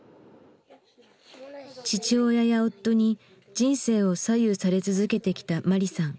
父親や夫に人生を左右され続けてきたマリさん。